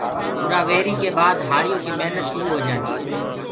اُرآ ويهري ڪي بآد هآݪيو ڪي مهنت شرو هوند هي